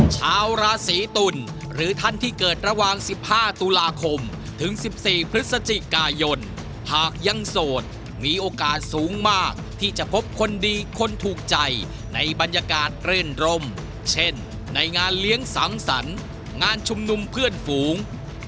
ชาวราศีตุลหรือท่านที่เกิดระหว่าง๑๕ตุลาคมถึง๑๔พฤศจิกายนหากยังโสดมีโอกาสสูงมากที่จะพบคนดีคนถูกใจในบรรยากาศรื่นรมเช่นในงานเลี้ยงสังสรรค์งานชุมนุมเพื่อนฝูง